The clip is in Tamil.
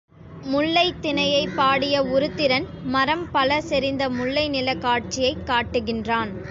முல்லைத் திணையைப் பாடிய உருத்திரன் மரம் பல செறிந்த முல்லை நிலக் காட்சியைக் காட்டுகின்றான்.